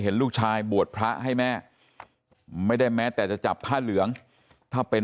เห็นลูกชายบวชพระให้แม่ไม่ได้แม้แต่จะจับผ้าเหลืองถ้าเป็น